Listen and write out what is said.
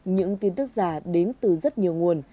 những tin tức giả đến từ rất nhiều nguồn